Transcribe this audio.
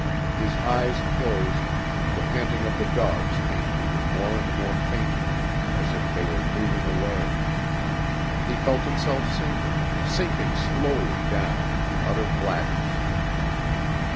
His eyes closed, the panting of the dogs came to him more and more faintly, as if they were moving away; he felt himself sinking, sinking slowly down into utter blackness.